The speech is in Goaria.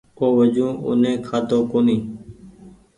اوُ وجون اوني کآۮو ڪونيٚ